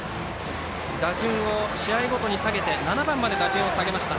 打順を試合ごとに下げて７番まで打順を下げました。